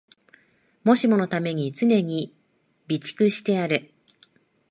もしものために常に備蓄してある